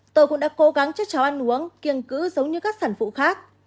tôi cũng đã cố gắng cho cháu ăn uống kiêng cứ giống như các sản phụ khác